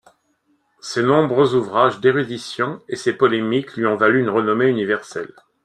Ses nombreux ouvrages d'érudition et ses polémiques lui ont valu une renommée universelle.